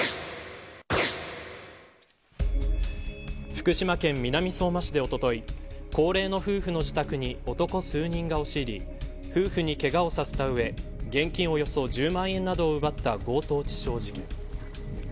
福島県南相馬市で、おととい高齢の夫婦の自宅に男数人が押し入り夫婦にけがをさせた上現金およそ１０万円などを奪った強盗致傷事件。